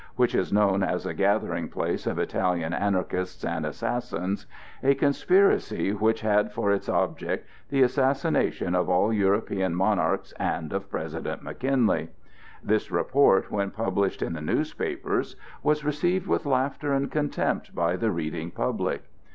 which is known as a gathering place of Italian anarchists and assassins, a conspiracy which had for its object the assassination of all European monarchs and of President McKinley. This report, when published in the newspapers, was received with laughter and contempt by the reading public.